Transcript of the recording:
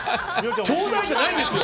ちょうだいじゃないですよ。